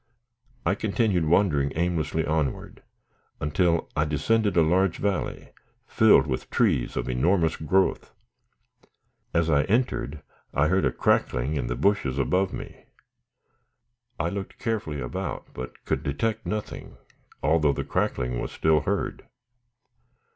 I continued wandering aimlessly onward, until I descended a large valley, filled with trees of enormous growth. As I entered, I heard a crackling in the bushes above me. I looked carefully about, but could detect nothing, although the crackling was still heard.